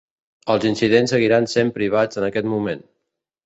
Els incidents seguiran sent privats en aquest moment.